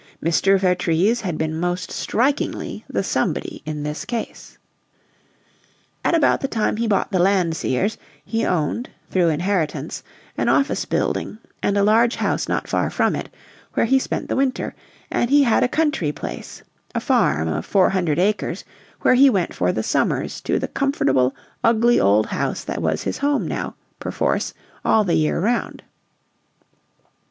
Mr. Vertrees had been most strikingly the somebody in this case. At about the time he bought the Landseers, he owned, through inheritance, an office building and a large house not far from it, where he spent the winter; and he had a country place a farm of four hundred acres where he went for the summers to the comfortable, ugly old house that was his home now, perforce, all the year round.